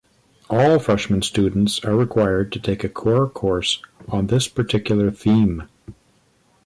All freshmen students are required to take a core course on this particular theme.